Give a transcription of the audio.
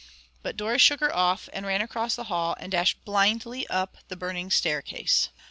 But Doris shook her off and ran across the hall, and dashed blindly up the burning staircase.